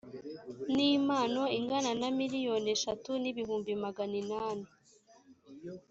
n impano ingana na miliyoni eshatu n ibihumbi magana inani